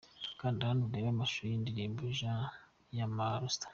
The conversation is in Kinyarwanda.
Kanda hano urebe amashusho y’indirimbo ‘Jeanne’ ya Mr.